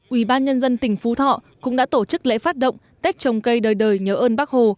ủy ban nhân dân tỉnh phú thọ cũng đã tổ chức lễ phát động tết trồng cây đời đời nhớ ơn bác hồ